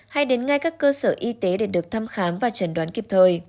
hãy đến ngay các cơ sở y tế để được thăm khám và chẩn đoán kịp thời